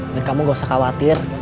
dan kamu nggak usah khawatir